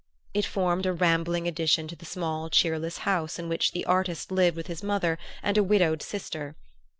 It formed a rambling addition to the small cheerless house in which the artist lived with his mother and a widowed sister.